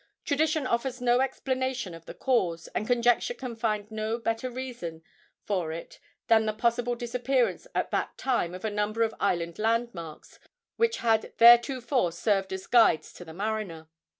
Tradition offers no explanation of the cause, and conjecture can find no better reason for it than the possible disappearance at that time of a number of island landmarks which had theretofore served as guides to the mariner.